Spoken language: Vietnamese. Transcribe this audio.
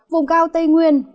vùng cao tây nguyên